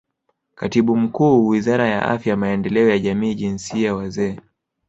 Katibu Mkuu Wizara ya Afya Maendeleo ya Jamii Jinsia Wazee